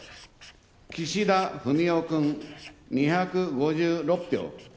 岸田文雄君、２５６票。